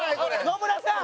野村さん！